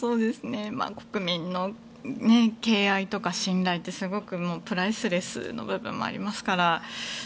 国民の敬愛とか信頼というのはすごく、プライスレスな部分もありますから。